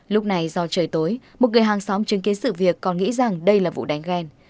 lúc này do trời tối một người hàng xóm chứng kiến sự việc còn nghĩ rằng đây là vụ đánh ghen